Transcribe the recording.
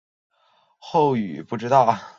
后与邰氏合股在后宰门兴建饭庄改称九华楼。